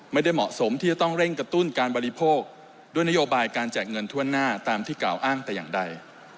ไม่ได้เหมาะสมที่จะต้องเร่งกระตุ้นการบริโภคด้วยนโยบายการแจกเงินทั่วหน้าตามที่กล่าวอ้างแต่อย่างใด